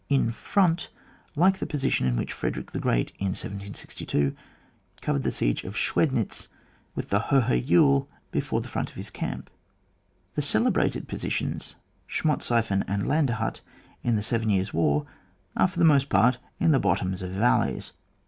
in front, like the position in whicli Frederick the Gbeat, in 1762, covered the siege of Schwednitz, with the ^* hohe Eule " before the front of his camp. The celebrated positions, Schmotseifen and Landshut, in the Seven Years' War, are for the most part in the bottoms of valleys.